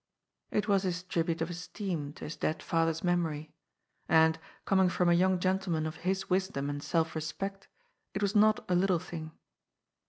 It was his tribute of esteem to his dead father's memory. And, coming from a young gentleman of his wisdom and self respect, it was not a little thing.